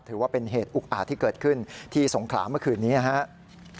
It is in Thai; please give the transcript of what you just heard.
ถือว่าเป็นเหตุอุกอาจที่เกิดขึ้นที่สงขลาเมื่อคืนนี้นะครับ